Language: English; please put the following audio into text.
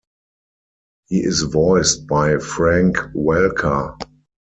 He is voiced by Frank Welker.